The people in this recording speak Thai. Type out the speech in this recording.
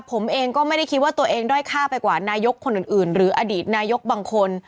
ผมเองก็ไม่ได้คิดว่าตัวเองด้อยค่าไปกว่านายกคนอื่นหรืออดีตนายกบางคน